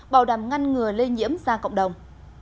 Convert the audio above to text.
bảo đảm ngăn ngừa lây nhiễm ra cộng đồng